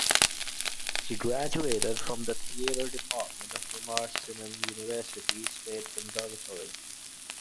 She graduated from the Theater Department of Mimar Sinan University State Conservatory.